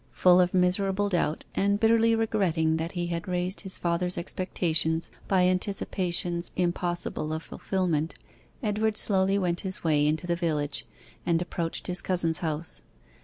Full of miserable doubt, and bitterly regretting that he had raised his father's expectations by anticipations impossible of fulfilment, Edward slowly went his way into the village, and approached his cousin's house.